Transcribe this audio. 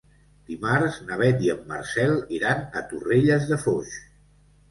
Dimarts na Beth i en Marcel iran a Torrelles de Foix.